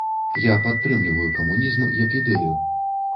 Я падтрымліваю камунізм як ідэю.